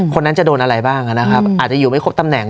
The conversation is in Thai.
คนนั้นจะโดนอะไรบ้างนะครับอาจจะอยู่ไม่ครบตำแหน่ง